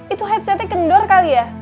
itu headsetnya kendor kali ya